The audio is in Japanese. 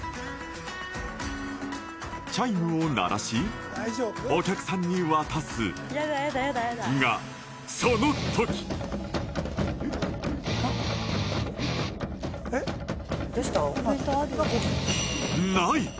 チャイムを鳴らしお客さんに渡すがその時ない！